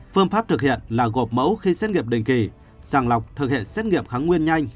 phương pháp thực hiện là gộp mẫu khi xét nghiệm đình kỳ sàng lọc thực hiện xét nghiệm kháng nguyên nhanh